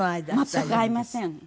全く会いません。